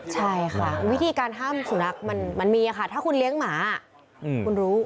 ใช่ค่ะวิธีการห้ามสุนัขมันมีค่ะถ้าคุณเลี้ยงหมาคุณรู้